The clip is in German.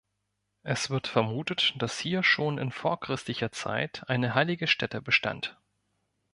Es wird vermutet, dass hier schon in vorchristlicher Zeit eine heilige Stätte bestand.